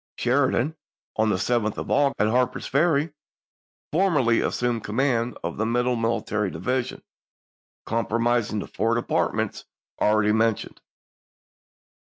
Sheridan, on 1864. the 7th of August, at Harper's Ferry, formally assumed command of the Middle Military Division, comprising the four departments already men tioned.